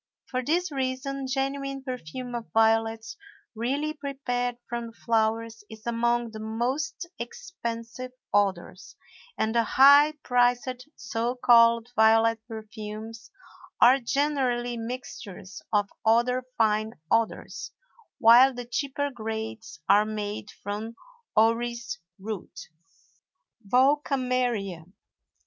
For this reason genuine perfume of violets, really prepared from the flowers, is among the most expensive odors, and the high priced so called violet perfumes are generally mixtures of other fine odors, while the cheaper grades are made from orris root. VOLKAMERIA.